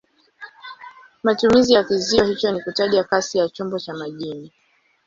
Matumizi ya kizio hicho ni kutaja kasi ya chombo cha majini.